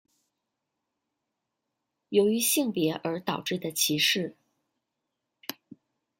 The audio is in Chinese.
由于性别而导致的歧视。